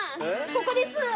ここです。